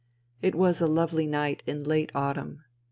It was a lovely night in late autumn.